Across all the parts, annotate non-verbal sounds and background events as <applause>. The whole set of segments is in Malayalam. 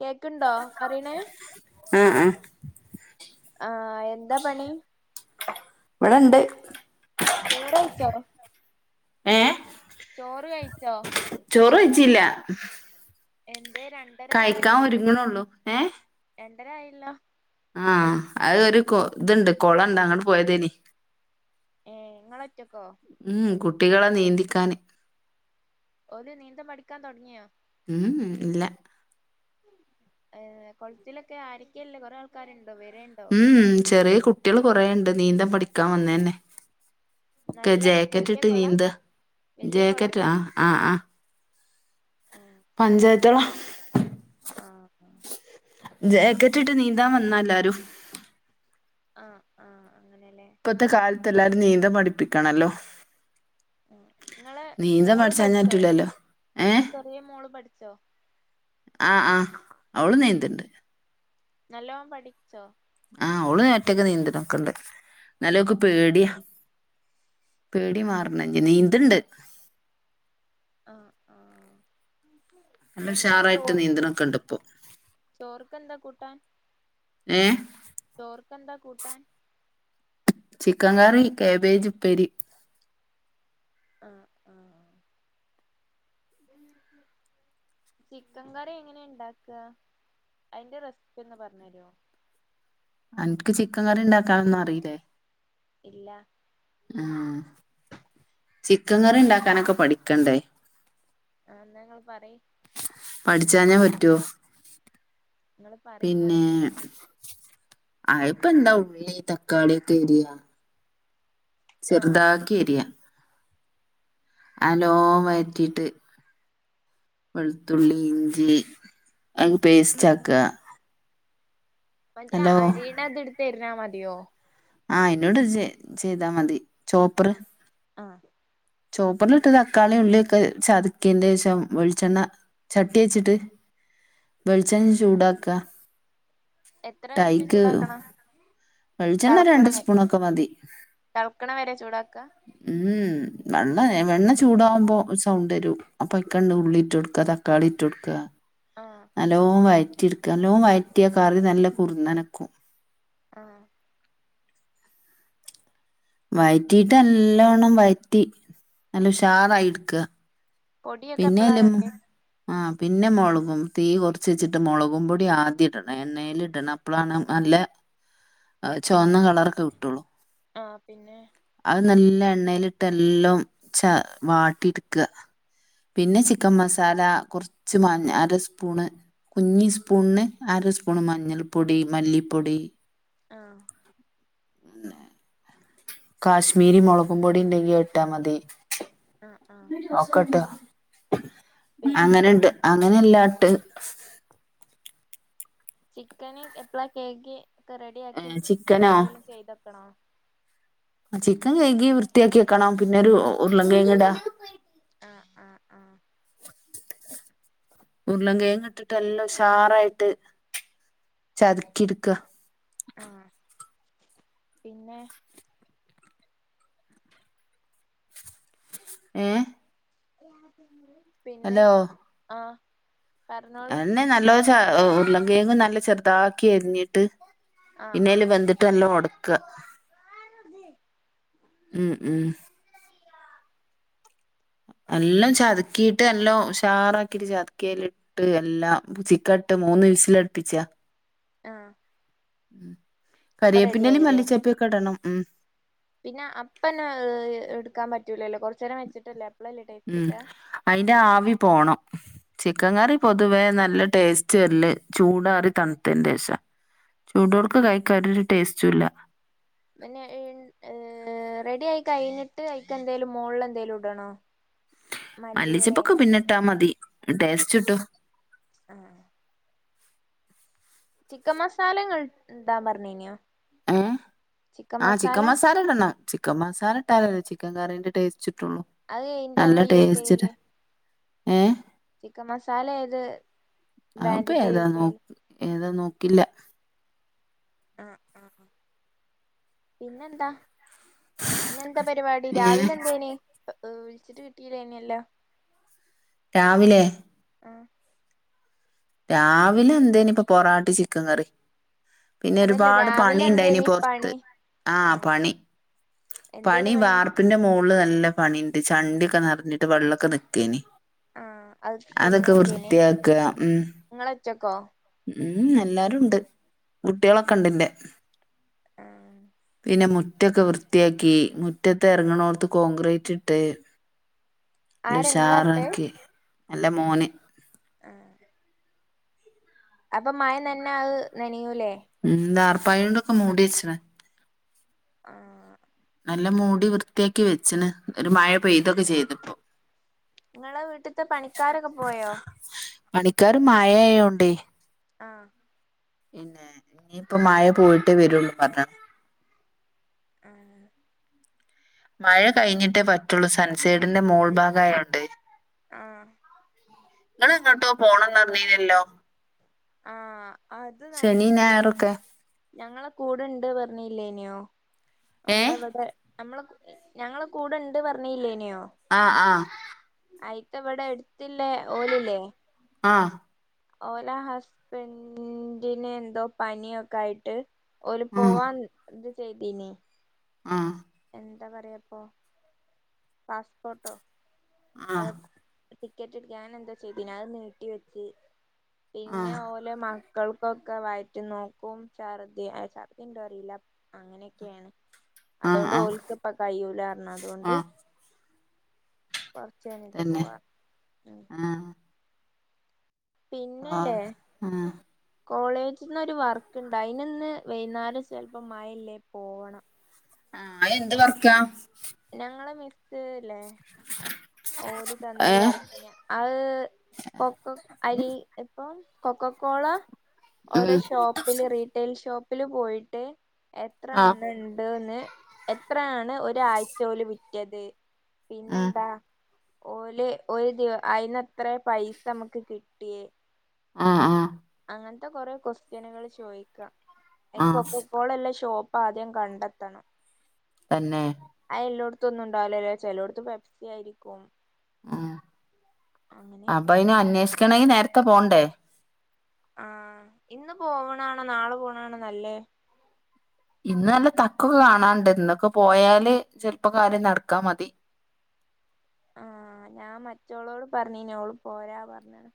കേക്കുണ്ടോ പറയണേ ഉം ഉം ആഹ് എന്താ പണി. ഇവിടെയുണ്ട് ചോറ് കഴിച്ചോ, ഏഹ് ചോറ് കഴിച്ചോ? ചോറ് വെച്ചില്ല. എന്തെ ര കഴിക്കാൻ ഒരുങ്ങണയുള്ളൂ ഏഹ്. രണ്ടര ആയാലോ. ആഹ് അത് ഒരു കൊ ഇതുണ്ട്, കുളം ഇണ്ട് അങ്ങോട്ട് പോയാതേണേ. ഏ നിങ്ങളൊറ്റക്കോ ഉം കുട്ടികളെ നീന്തിക്കാൻ. അവർ നീന്ത പടിക്കാൻ തുടങ്ങിയോ ഉം ഇല്ല ഏ കുളത്തിലൊക്കെ ആരക്കല്ലേ കൊറെേ ആൾക്കാരുണ്ടോ വരുണ്ടോ ഉം ചെറിയ കുട്ടികൾ കൊറുണ്ട്, നീന്തൻ പഠിക്കാൻ വന്നേ തന്നെ. ഒക്കെ നല്ല ജാക്കറ്റ് വല്യ ഇട്ട് കൊളാ നീന്തുക, വല്യ കൊളാ ജാക്കറ്റ് ആഹ് ആഹ്. ഉം പഞ്ചായത്ത് കുളം. ആഹ് <unintelligible> ട്ടിട്ട് നീന്താൻ വന്നല്ലാരും ആഹ് ആഹ് അങ്ങനെല്ലേ. ഇപ്പത്തെ കാലത്ത് എല്ലാരും നീന്തൻ പഠിപ്പിക്കണല്ലോ ആഹ് നിങ്ങള് നീന്തം മോള് പഠിച്ചാഞ്ഞാ പഠിച്ചോ, പറ്റൂലല്ലോ ഏഹ് നിങ്ങടെ ചെറിയ മോള് പഠിച്ചോ? ആ ആ അവള് നീന്തിണ്ട് നല്ലോണം പഠിച്ചോ? ആഹ് അവളു നേരത്തെ നീന്തണ ഒക്കെ ഇണ്ട് നല്ലൊക്ക് പേടിയാ പേടി മാറണ നീന്തുണ്ട് ആഹ് ആഹ് നല്ല എന്താ ഉഷാറായിട്ട് ചോറ് നീന്തണൊക്കെണ്ട് ഇപ്പൊ ചോർക്കെന്താ കൂട്ടാൻ ഏഹ് ചോറുക്ക് എന്താ കൂട്ടാൻ. ചിക്കൻ കറി കാബേജ് ഉപ്പേരി. ആഹ് ആഹ് ഉം ഉം ചിക്കൻ കറി എങ്ങനെയ ഉണ്ടാക്ക അതിന്റെ റെസിപ്പി ഒന്ന് പറഞ്ഞഞ് തരുമോ അനക്ക് ചിക്കൻ കറി ഉണ്ടാക്കാനൊന്നും അറിയില്ലേ? ഇല്ല ആഹ് ചിക്കൻ കറി ഉണ്ടാക്കാനൊക്കെ പഠിക്കണ്ടേ ആഹ് ഞങ്ങൾ പറി പഠിച്ചാഞ്ഞ പറ്റോ നിങ്ങൾ പറയുന്ന പിന്നേ ആഹ് ഇപ്പ എന്താ ഉള്ളി തക്കാളിയൊക്കെ എരിയ ആ ചെറുതാ കേരിയ അലോ വറ്റീയിട്ട് വെളുത്തുള്ളി ഇഞ്ചി അ പേസ്റ്റ് ആക്ക മറ്റേ നല്ലോ അരീണ അത് എടുത്ത്ന്നാ മതിയോ ആഹ് അയ്നോട് ച ചെയ്താ മതി ആ ചോപ്പറ് ആ ചോപ്പറിലിട്ട് തക്കാളി ഉള്ളിയൊക്കെ ചതക്കിണ്ടച്ചം വെളിച്ചെണ്ണ ചട്ടി വെച്ചിട്ട് വെളിച്ചെണ്ണം ചൂടാക്ക എത്ര മിനിറ്റ് ചൂടാക്കണ വളിച്ചെണ്ണ രണ്ട് സ്പൂണൊക്കെ മതി തെൾക്ക്ണ വരെ ചൂടാക്ക ഉം വെള്ള വെണ്ണ ചൂടാകുമ്പോൾ സൗണ്ട് തരും അപ്പൊക്കണ്ട് ഉള്ളിട്ട് കൊടുക്കത കാളി ടക്ക ആഹ് നല്ലോ വയറ്റിെട്ക്ക നല്ലോ വയറ്റിയ കാറി നല്ല കുറന്നനക്കും ആഹ് വഴറ്റിയിട്ട് നല്ലോണ്ണം വഴറ്റി നല്ല ഉഷാറായിടുക്കുക പൊടിയൊക്കെ എപ്പളാ പിന്നെല്ല ഇടണ്ടേ ആഹ് പിന്നെ മുളകും തീ കുറച്ച് വെച്ചിട്ട് മുളകും പൊടി ആദ്യം ഇടണം എണ്ണൽ ഇടണം അപ്പോഴാണ് നല്ല ചുവന്ന കളറൊക്കെ കിട്ടുള്ളു ആഹ് പിന്നെ അത് നല്ല എണ്ണയിലിട്ട് എല്ലാം ച വാട്ടി എടുക്കുക പിന്നെ ചിക്കൻ മസാല കുറച്ച് മഞ്ഞ അര സ്പൂണ് കുഞ്ഞ് സ്പൂണ്ന് അര സ്പൂണ് മഞ്ഞൾപ്പൊടി മല്ലിപ്പൊടി ആഹ് കാശ്മീരി മുളകും പൊടി ഉണ്ടെങ്കിൽ എട്ടാ മതി ആഹ് ആഹ് ഒക്കട്ടോ അങ്ങനെണ്ട് അങ്ങനല്ലാട്ട് ചിക്കന് എപ്പഴാ കേയ്കക്ക് ഒക്കെ റെഡി ആക്കി ചിക്കനോ എന്തെങ്കലും ചെയ്തെക്കണോ ചിക്കൻ കൈകി വൃത്തിയാക്കി വക്കണം പിന്നെരു ഉരുളം കൈങ്ങി ഇടാ ആഹ് ആഹ് ആഹ് ഉരുളാം കേങ്ങ ഇട്ടിട്ട് എല്ലാംഷാറായിട്ട് ചതുക്കി എടുക്കുക ആഹ് പിന്നെ ഏഹ് പിന്നെ ആഹ് എന്നെ നല്ല ച ഉരുളങ്കേങ്ങങ് നല്ല ചെറുതാക്കി അരിഞ്ഞിട്ട് ആഹ് പിന്നല് വൻന്ത്ട്ട് എല്ലാം ഉടക്ക ഉം ഉം ആഹ് എല്ലാം ആഹ് ചതുക്കിട്ട് എല്ലാം ഉഷാറാക്കിട്ട് ചതക്കിയല്ല ട്ട് എല്ലാം ചിക്ക ഇട്ട് മൂന്ന് വിസിലടുപ്പിച്ചാ ആഹ് ഉം അപ്പൊ റെഡി കറയേപ്പന്നാലും ആയില്ലേ മല്ലിച്ചപ്പയൊക്കെ ഇടണം ഉം പിന്നെ അപ്പന്നെ എടുക്കാൻ പറ്റൂലല്ലോ കുറച്ച നേരം വെച്ചിട്ടല്ലേ അപ്പളല്ലേ ടേസ്റ്റ് ഉം കിട്ടാ അയിന്റെ ആവി പോണം ചിക്കൻ കറി പൊതുവേ നല്ല ടേസ്റ്റ് വല്ല ചൂട കറി തണുത്തന്റെ ശേഷം ആഹ് ചൂടോർക്ക് കഴിക്കാാനരു ടേസ്റ്റും ഇല്ല പിന്നെ റെഡി ആയി കഴിഞ്ഞിട്ട് അയ്ക്ക് എന്തായാലും മോളിൽ എന്തായാലും ഇടണോ <inaudible> മല്ലിച്ചെപ്പൊക്കെ പിന്നെ ഇട്ടാ മതി. ടേസ്റ്റ് കിട്ടും ആഹ് ചിക്കൻ മസാലങ്ങൾ ടാൻ പർഞ്ഞീന്യോ? ഏഹ് ആഹ് ചിക്കൻ മസാല ടനം ചിക്കൻ മസാല ഇട്ടാലല്ലേ ചിക്കൻ കറീന്റെ ടേസ്റ്റ് കിട്ടോള്ളൂ അഅ് എയ്ൻ്റാങ്ങള് യൂസെയ്യല്? ഏ ചിക്കൻ മസാല ഏത് അതിപ്പോ ബ്രാൻഡിന്റെ ഏതാ യൂസ് നോ ചെയ്യല് ഏതാ നോക്കില്ല അഹ് ആഹ് പിന്നെന്താ? ഇന്യന്താ പരിപാടി, ഏ രാവിലെ എന്തേനെ വിൾച്ചിട്ട് കിട്ടിലേന്യല്ല രാവിലെ ആ രാവിലെ എന്തേനിപ്പ, പൊറാട്ടിം ചിക്കൻ കറിം പിന്നെ അതല്ല ഒരുപാട് രാവിലെ പണി ഉണ്ടായിനി എന്തേനി പുറത്ത് പണി ആഹ് പണി പണി വാർ പ്പിന്റെ മോൾള് നല്ല പണിണ്ട്. ചണ്ടിയൊക്കെ നർഞ്ഞിട്ട് വെള്ളക്കെ നിക്കേനി ആഹ് അത് അതൊക്കെ വൃത്തിയാക്ക ഉം നിങ്ങള് ഒറ്റക്കോ ഉം എല്ലാരുണ്ട്. കുട്യളൊക്കെ ഇണ്ട്ന്റെ ആഹ് പിന്നെ മുറ്റൊക്കെ വൃത്തിയാക്കി മുറ്റത്ത് ഇറങ്ങണോർത്ത് കോൺക്രീറ്റ് ഇട്ട് ആരാ ഇങ്ങളാട്ടെ ല്ലുഷാറാക്കി അല്ല മോന് ആഹ് അപ്പൊ മഴ നൻന്ന അത് നനയൂലേ? ഉം ദാർപ്പായോണ്ടൊക്കെ മൂട്യച്ച്ണ് ആഹ് നല്ല മൂടി വൃത്തിയാക്കി വെച്ചിന് ഒരു മഴ പെയ്തൊക്കെ ചെയ്തപ്പോ ങ്ങളെ വീട്ട്ത്തെ പണിക്കാരൊക്കെ പോയോ? പണിക്കാർ മായായോണ്ടേ ആഹ് എന്നേ.. ഇനിയിപ്പം മഴ പോയിട്ടേ വരുള്ളും പർഞ്ഞ്ണ് ആഹ് മഴ കയ്ഞ്ഞിട്ടേ പറ്റുള്ളൂ. സൻസൈഡിന്റെ മൂൾഭാഗായോണ്ട് ആഹ് ങ്ങളെങ്ങട്ടോ പോണംന്നർഞ്ഞീനല്ലോ ആഹ്. അത് ശനി നട്ക്കൂല ഞായറൊക്കെ ഞങ്ങളെ കൂടെണ്ട് പറഞ്ഞല്ലേനെയോ ഏ നമ്മളവിടെ നമ്മളെ കു എ ഞങ്ങളെ കൂടെണ്ട് പർഞ്ഞില്ലേന്യോ ആഹ് ആഹ് അയ്ത്ത വടെട്ത്തില്ലേ ഓല്ല്ലേ ആഹ് ഓല ഹസ്ബൻ്റിന് എന്തോ പനിയൊക്കെ ആയിട്ട് ഓല് ഉം പോവാൻ ത് ചെയ്തീനി ആഹ് എന്താ പറയാപ്പൊ പാസ്പോട്ടൊ ആ അഹ് ടിക്കറ്റ് എടുക്കെ അങ്ങനെ എന്തോ ചെയ്തിനി. അത് നീട്ടി വെച്ച് ആ പിന്നെഓ ലെ മക്കൾക്കൊക്കെ വയറ്റുന്നോക്കും ഛർദ്ദിയ. ഹെ ഛർദ്ദി ണ്ടോ അറീല അങ്ങനെക്കേണ്. ആ അതോണ്ട് ആ ഓൽക്പ്പ കയ്യൂലാർഞ്ഞ് ആ അതോണ്ട് കൊറച്ച് കഴഞ്ഞിട്ട് തന്നെ പോവാ ഉം ആ ആ പിന്നലെ ആ കോളേജ്ന്ന് ഒരു വർക്ക്ണ്ട് അയിന്ന് വൈന്നാരം ചെലപ്പം മഴല്ലേ പോണം ആഹ് അയെന്ത് വർക്കാ ഞങ്ങളെ മിസ്സ് ലെ <inaudible> ഓല് ഏ തന്നൊരു വർക്കിനാ അത് കൊക്ക അരി ഇപ്പം കൊക്കക്കോള. ഓരോ ഉം ഷോപ്പില് റിറ്റൈൽ ഷോപ്പില് പോയിട്ട്. എത്ര ആ എണ്ണണ്ട് ന്ന് എത്രേണ് ഒരാഴ്ച്ച ഓല് വിറ്റത് ഉം പിന്നെന്താ ഓല് ഒരു ദിവ അയിന്നെത്രേ പൈസ അമ്മക്ക് കിട്ടിയേ ആഹ് ആഹ് അങ്ങത്തെ കൊറേ ക്വസ്റ്റ്യനുകൾ ചോയിക്കാ ആ അതിനൊക്കൊപ്പം ഓള് എല്ലാ ഷോപ്പ് ആദ്യം കണ്ടെത്തണം. തന്നെ അയ് എല്ലായിടത്തും ഒന്നും ഉണ്ടാവില്ലല്ലോ ചിലയിടത്ത് പെപ്സി ആയിരിക്കും. ആഹ് അങ്ങനെയൊക്കെ അപ്പൊ ഇനി അന്വേഷിക്കണമെങ്കിൽ നേരത്തെ പോവാണ്ടേ. ആഹ് ഇന്ന് പോവ്ണാണോ നാളെ പോവ്ണാണോ നല്ലത് ഇന്ന് നല്ല തഗ് ഒക്കെ കാണാനുണ്ട്, ഇന്നൊക്കെ പോയാല് ചിലപ്പോ കാര്യം നടക്കാൻ മതി. ആഹ് ഞാൻ മറ്റോളോട് പറഞ്ഞിനി ഓള് പോരാ പറഞ്ഞ്ണ്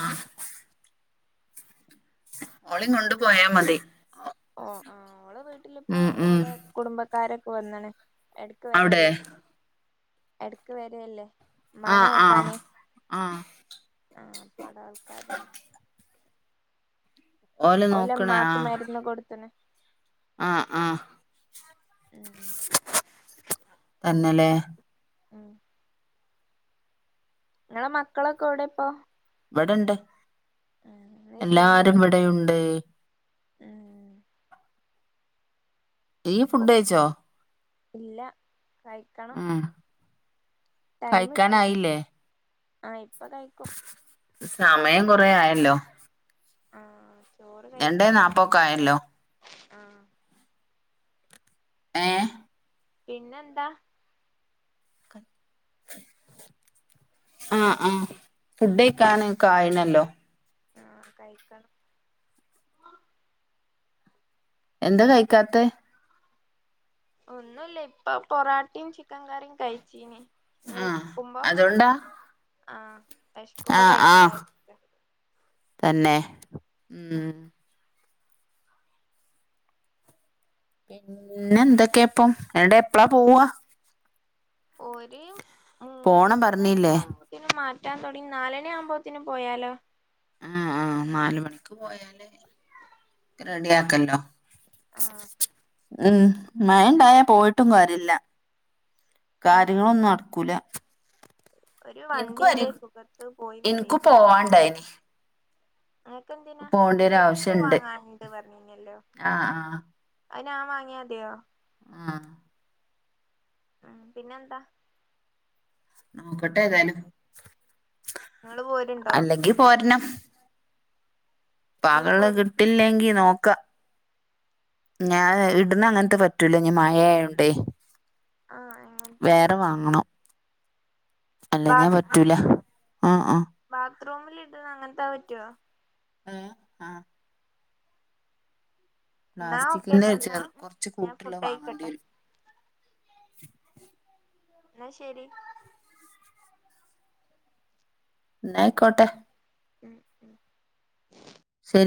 ആഹ് ഓളിം കൊണ്ട് പോയാ മതി ഓ ആഹ് ഓളെ വീട്ടിലിപ്പോ ഉം ഉം ഓലെ കുടുംബക്കാരൊക്കെ വന്ന്ണ് എടക്ക് അവിടെ വരല്ലേ എടക്ക് വരല്ലേ ആഹ് ആഹ് ആ ആ പ്പവ്ടെ ആൾക്കാര് ഓല് ഓലെ നോക്കണേ ഇമ്മാക്ക് ആഹ് മരുന്ന് കൊടുത്ത്ണ് ആഹ് ആഹ് ഉം തന്നെലെ ആഹ് ഇങ്ങളെ മക്കളൊക്കെ എവിടെ ഇപ്പൊ ഇവ്ടെണ്ട് ഇന്ന് എല്ലാരും ശനിയല്ലേ ഇവിടെയുണ്ട് ഉം ഈയ്യ് ഫുഡ് കഴിച്ചോ? ഇല്ല കഴിക്കണം. ആഹ് ടൈം കിട്ടിയില്ല ആഹ് ഇപ്പൊ കഴിക്കും. സമയം കൊറെ ആയാലോ. ആഹ് ചോറ് രണ്ടേ കഴിക്കാൻ ഇവിടെ നാപ്പൊക്കെ ആയല്ലോ ആഹ്. ഏ പിന്നെന്താ ആഹ് ആഹ് ഫുഡ് കഴിക്കാൻ ഒക്കെ ആയിനല്ലോ. ആഹ് കഴിക്കണം. എന്താ കഴിക്കാത്ത. ഒന്നുല്ല ഇപ്പ പൊറാട്ടിം ചിക്കൻ കറിം കഴിച്ചീനിം ആഹ് വിശക്കുമ്പോ അതുകൊണ്ടാ ആഹ് വിശക്കുമ്പോ ആഹ് കഴിക്കല്ലേ. ആഹ് തന്നെ ഉം പിന്നെ എന്തൊക്കെയാ ഇപ്പം എൻട്ട് എപ്പളാ പോവാ? ഒര് പോണം പറഞ്ഞില്ലേ മൂന്നരക്കാവു ത്തിന് മാറ്റാൻ തുടങ്ങി നാല് മണി ആവുമ്പോത്തിന് പോയാലോ? ആഹ് ആഹ് നാല് മണിക്ക് പോയാലെ. റെഡിയാക്കല്ലോ ആഹ് ഉം മയണ്ടായാ പോയിട്ടും കാര്യല്ല ഉം കാര്യങ്ങളൊന്നുംനടക്കൂല ഒരു ഇൻക്കുംഅരി വണ്ടിണ്ട് സുഖത്ത് പോയി വരെ ഇൻക്കുപോവാണ്ടായ്നി അൻക്കെന്തിനാ ഒരു ചെരിപ്പ് ആവശ്യണ്ട് വാങ്ങാണ്ട് പറഞ്ഞീനല്ലോ? ആഹ് ആഹ് അയ് നാൻവാങ്ങിയാതിയോ? ആഹ് ഉം പിന്നെന്താ? നോക്കട്ടെ ഏതായാലും. ങ്ങള്പോര്ണ്ട അല്ലെങ്കിപോര്ണം. ഇങ്ങള് പാകള്ളത് പോര് കിട്ടില്ലെങ്കിനോക്കാ ഞാന് ഇട്ണ അങ്ങൻത്തെ പറ്റൂലഞ്ഞി മയായോണ്ടേ. ആഹ് എങ്ങൻതാ പിൻ അല്ലഞ്ഞാ പറ്റൂല ആഹ് ആഹ് ബാത്റൂമിൽഇട്ണ അങ്ങൻത്താപറ്റോ? എഹ് ആഹ് എന്നാ പ്ലാസ്റ്റിക്കിന്റെ ഓക്കേട്ടോ എന്നാ ചില്ലം കൊർച്ച് ഞാൻ കൂട്ട്ള്ള ഫുഡ് കഴിക്കട്ടെ വാങ്ങേണ്ടിവെരും. ന്നശെരി. ന്നാ യ്ക്കോട്ടെ ഉം ഉം ശരി